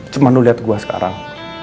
cuman lu liat gue sekarang